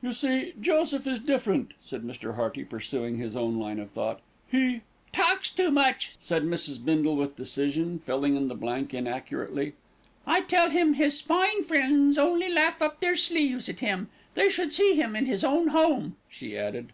"You see, Joseph is different," said Mr. Hearty, pursuing his own line of thought. "He " "Talks too much," said Mrs. Bindle with decision, filling in the blank inaccurately. "I tell him his fine friends only laugh up their sleeves at him. They should see him in his own home," she added.